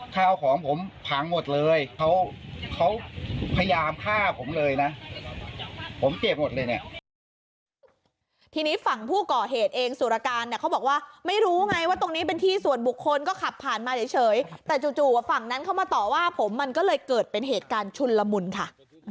ทีนี้ฝั่งผู้ก่อเหตุเองสุรการเนี่ยเขาบอกว่าไม่รู้ไงว่าตรงนี้เป็นที่ส่วนบุคคลก็ขับผ่านมาเฉยแต่จู่ว่าฝั่งนั้นเข้ามาต่อว่าผมมันก็เลยเกิดเป็นเหตุการณ์ชุนละมุนค่ะ